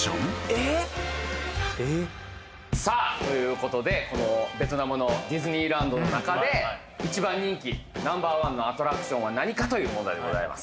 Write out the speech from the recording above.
えっ？えっ？さあということでベトナムのディズニーランドの中で一番人気Ｎｏ．１のアトラクションは何かという問題でございます